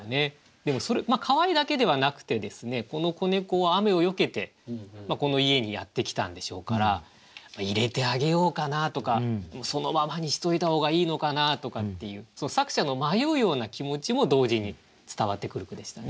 でもかわいいだけではなくてこの子猫は雨をよけてこの家にやって来たんでしょうから入れてあげようかなとかそのままにしといた方がいいのかなとかっていう作者の迷うような気持ちも同時に伝わってくる句でしたね。